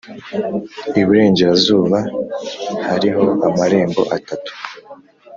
iburengerazuba hariho amarembo atatu